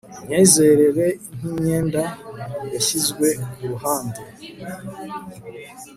Imyizerere nkimyenda yashyizwe ku ruhande